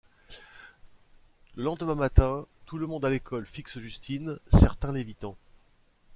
Le lendemain matin, tout le monde à l'école fixe Justine, certains l'évitant.